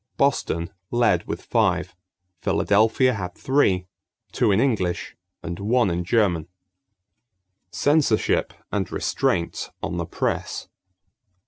Boston led with five. Philadelphia had three: two in English and one in German. =Censorship and Restraints on the Press.